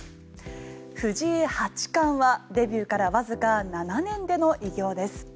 藤井八冠はデビューからわずか７年での偉業です。